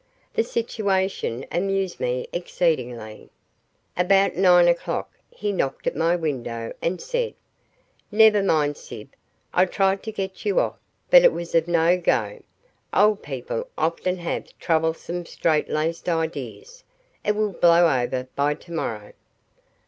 The situation amused me exceedingly. About nine o'clock he knocked at my window and said: "Never mind, Syb. I tried to get you off, but it was no go. Old people often have troublesome straitlaced ideas. It will blow over by tomorrow."